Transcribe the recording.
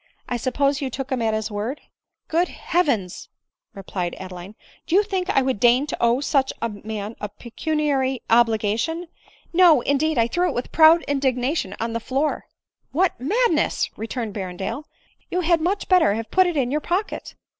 I suppose you took him at his word ¥ 9 " Good Heavens !" replied Adeline, " Do you think I would deign to owe such a man a pecuniary obligation ? No, indeed ; I threw it with proud indignation on the floor." " What madness !" returned Berrendale ;" you had much better have put it in your pocket."